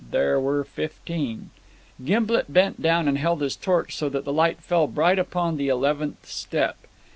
There were fifteen. Gimblet bent down and held his torch so that the light fell bright upon the eleventh step.